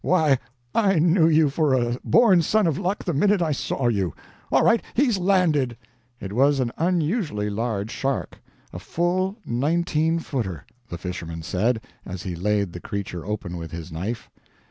Why, I knew you for a born son of luck the minute I saw you. All right he's landed." It was an unusually large shark "a full nineteen footer," the fisherman said, as he laid the creature open with his knife.